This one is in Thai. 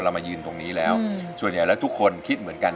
มายืนตรงนี้แล้วส่วนใหญ่แล้วทุกคนคิดเหมือนกัน